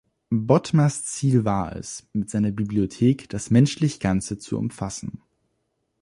Bodmers Ziel war es, mit seiner Bibliothek das «Menschlich-Ganze» zu umfassen.